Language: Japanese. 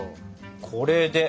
これで。